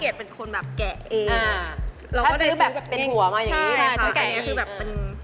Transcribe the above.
แต่อันนู้นแหละแพงด้วย